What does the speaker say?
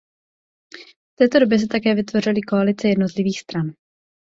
V této době se také vytvořily koalice jednotlivých stran.